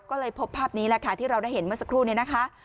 ก็เลยพบภาพนี้แหละค่ะที่เราได้เห็นเมื่อสักครู่นี้นะคะ